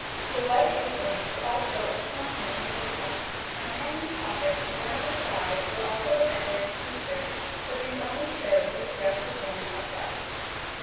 The white aprons were also of consummate needlecraft, and hanging pockets worn at the sides were also a decorated feature, but these only showed when the dress was worn tucked up.